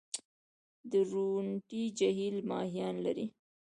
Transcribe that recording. د درونټې جهیل ماهیان لري؟